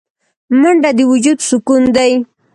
منډه د وجود سکون دی